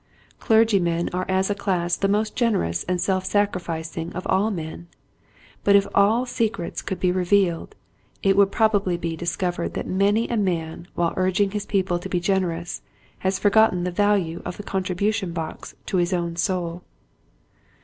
Clergymen are as a class the most generous and self sacrificing of all men, but if all secrets could be revealed it would probably be dis covered that many a man while urging his people to be generous has forgotten the value of the contribution box to his own soul.